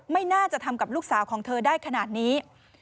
ไม่น่าจะทำกับลูกสาวของเธอได้ขนาดนี้